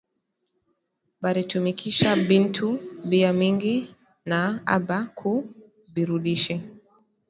Baritumikisha bintu bia mingi, na aba ku birudishe